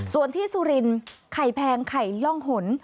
ส่วนที่สุรินไข่แพงไข่ล่องหน